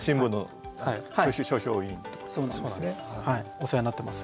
お世話になってます